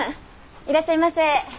いらっしゃいませ。